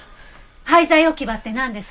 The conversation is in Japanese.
廃材置き場ってなんです？